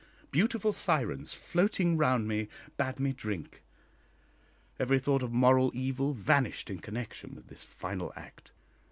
Beautiful sirens floating round me bade me drink. Every thought of moral evil vanished in connection with this final act.